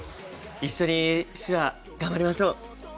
一緒に手話頑張りましょう！